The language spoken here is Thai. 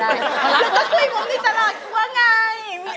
เราต้องคุยมุมดิจรักว่าไงมีอะไร